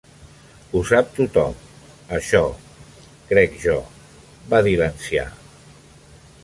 "Ho sap tothom, això, crec jo" va dir l'ancià.